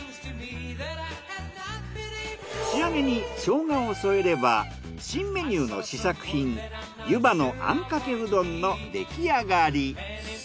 仕上げにショウガを添えれば新メニューの試作品湯波のあんかけうどんのできあがり。